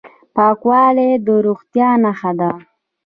پاکوالی د روغتیا نښه ده.